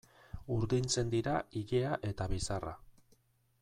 Urdintzen dira ilea eta bizarra.